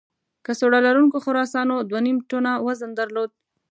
کڅوړه لرونکو خرسانو دوه نیم ټنه وزن درلود.